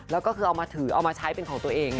แล้วก็คือเอามาถือเอามาใช้เป็นของตัวเอง